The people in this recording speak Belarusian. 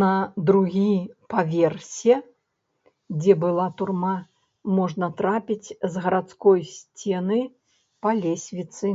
На другі паверсе, дзе была турма, можна трапіць з гарадской сцены па лесвіцы.